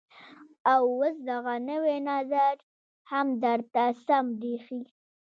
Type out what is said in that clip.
او اوس دغه نوى نظر هم درته سم بريښي.